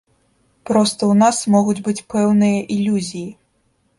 Проста ў нас могуць быць пэўныя ілюзіі.